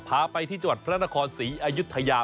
พาไปที่จังหวัดพระนครศรีอายุทยา